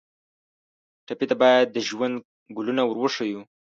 ټپي ته باید د ژوند ګلونه ور وښیو.